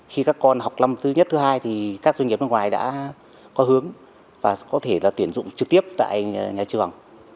khi các con học năm thứ nhất thứ hai thì các doanh nghiệp nước ngoài đã có hướng và có thể tuyển dụng trực tiếp tại nhà trường